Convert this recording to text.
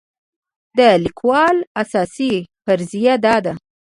د لیکوال اساسي فرضیه دا ده.